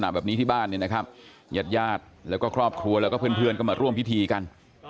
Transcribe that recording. แบบนี้ที่บ้านเนี่ยนะครับญาติญาติแล้วก็ครอบครัวแล้วก็เพื่อนเพื่อนก็มาร่วมพิธีกัน